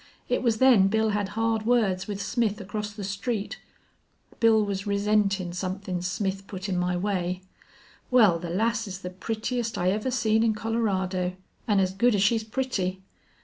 It was then Bill had hard words with Smith across the street. Bill was resentin' somethin' Smith put in my way. Wal, the lass's the prettiest I ever seen in Colorado, an' as good as she's pretty.